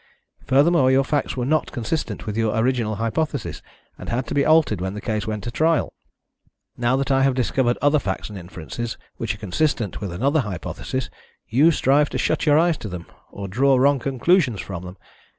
Furthermore, your facts were not consistent with your original hypothesis, and had to be altered when the case went to trial. Now that I have discovered other facts and inferences which are consistent with another hypothesis, you strive to shut your eyes to them, or draw wrong conclusions from them.